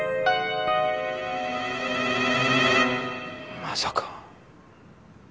まさか。